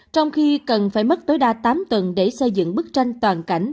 trong khi cần phải mất tối đa tám tuần để xây dựng bức tranh toàn cảnh